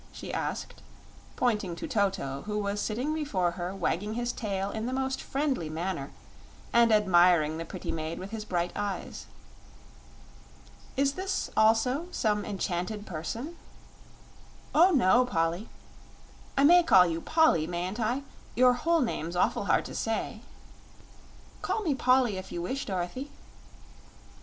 she asked, pointing to Toto, who was sitting before her wagging his tail in the most friendly manner and admiring the pretty maid with his bright eyes. "Is this, also, some enchanted person?" "Oh no, Polly I may call you Polly, mayn't I? Your whole name's awful hard to say." "Call me Polly if you wish, Dorothy."